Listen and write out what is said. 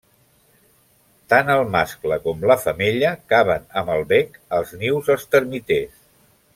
Tant el mascle com la femella caven amb el bec els nius als termiters.